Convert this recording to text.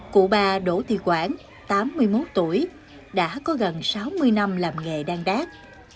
cụ bà đỗ thị quảng tám mươi một tuổi đã có gần sáu mươi năm làm nghề đan đác